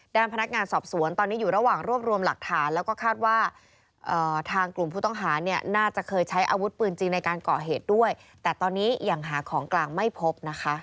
ด้านพนักงานสอบสวนตอนนี้อยู่ระหว่างรวบรวมหลักฐานแล้วก็คาดว่าทางกลุ่มผู้ต้องหาเนี่ยน่าจะเคยใช้อาวุธปืนจริงในการก่อเหตุด้วยแต่ตอนนี้ยังหาของกลางไม่พบนะคะ